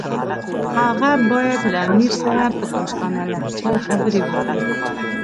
هغه باید له امیر سره په دوستانه لهجه خبرې وکړي.